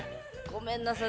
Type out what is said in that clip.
ごめんなさい。